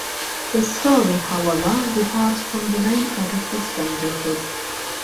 The story, however, departs from the main plot of "The Strangerhood".